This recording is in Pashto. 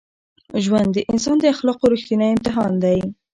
ژوند د انسان د اخلاقو رښتینی امتحان دی.